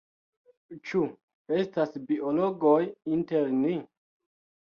Ĉu estas biologoj inter ni?